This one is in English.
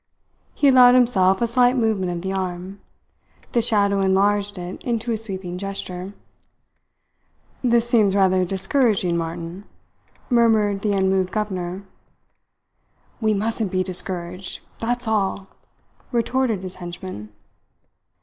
He allowed himself a slight movement of the arm. The shadow enlarged it into a sweeping gesture. "This seems rather discouraging, Martin," murmured the unmoved governor. "We mustn't be discouraged that's all!" retorted his henchman.